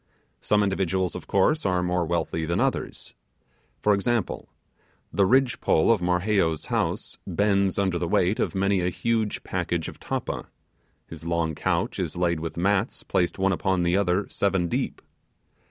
Some individuals, of course, are more wealthy than others. For example, the ridge pole of Marheyo's house bends under the weight of many a huge packet of tappa; his long couch is laid with mats placed one upon the other seven deep.